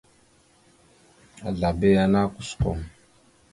Azlaba yana kusəkom.